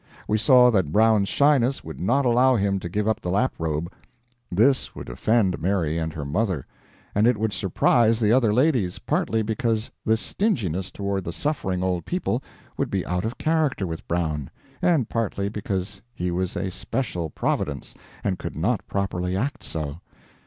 We saw that Brown's shyness would not allow him to give up the lap robe. This would offend Mary and her mother; and it would surprise the other ladies, partly because this stinginess toward the suffering Old People would be out of character with Brown, and partly because he was a special Providence and could not properly act so.